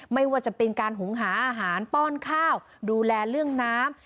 ไม่ว่าจะเป็นการหุงหาอาหารป้อนข้าวดูแลเรื่องน้ำ